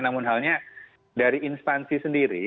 namun halnya dari instansi sendiri